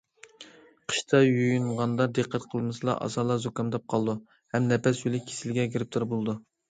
قىشتا يۇيۇنغاندا، دىققەت قىلمىسىلا ئاسانلا زۇكامداپ قالىدۇ ھەم نەپەس يولى كېسىلىگە گىرىپتار بولىدۇ.